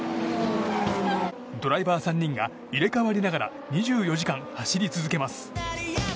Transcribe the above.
ドライバー３人が入れ替わりながら２４時間走り続けます。